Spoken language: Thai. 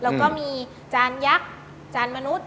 แล้วก็มีจานยักษ์จานมนุษย